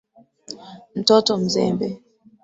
Mtoto mzembe.